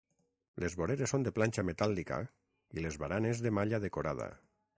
Les voreres són de planxa metàl·lica i les baranes de malla decorada.